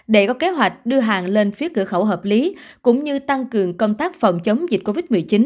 để có kế hoạch đưa hàng lên phía cửa khẩu hợp lý cũng như tăng cường công tác phòng chống dịch covid một mươi chín